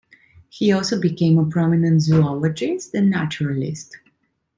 He also became a prominent zoologist and naturalist.